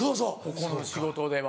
ここの仕事では。